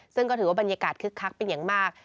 ซึ่งก็ถือว่าบรรยากาศคึกคักเป็นอย่างมาก